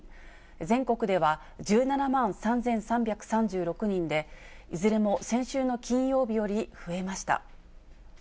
全国では１７万３３３６人で、いずれも先週の金曜日より増えました。